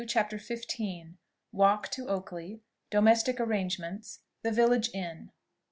CHAPTER XV. WALK TO OAKLEY DOMESTIC ARRANGEMENTS THE VILLAGE INN.